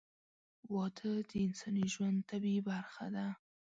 • واده د انساني ژوند طبیعي برخه ده.